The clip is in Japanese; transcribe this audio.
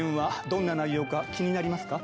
どんな内容か気になりますか？